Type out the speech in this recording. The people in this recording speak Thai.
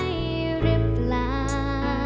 เธออยู่ไว้หรือเปล่า